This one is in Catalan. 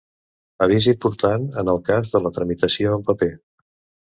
Avís important en el cas de la tramitació en paper.